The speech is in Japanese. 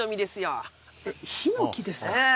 ヒノキですか。